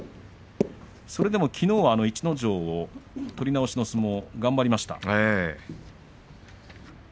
それでもきのうは逸ノ城取り直しの相撲頑張りました。